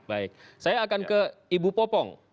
baik saya akan ke ibu popong